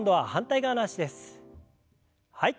はい。